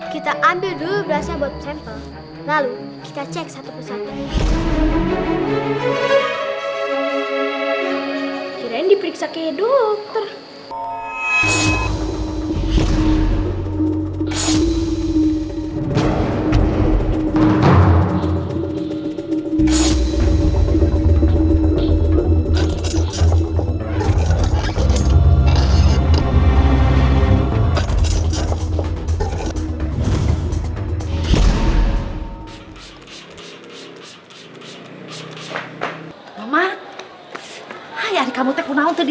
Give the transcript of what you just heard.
kita ambil dulu berasnya buat sampel